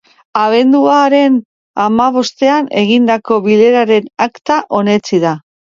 Abenduaren hamabostean egindako bileraren akta onetsi da.